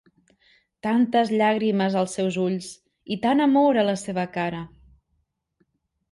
Tantes llàgrimes als seus ulls, i tant amor a la seva cara.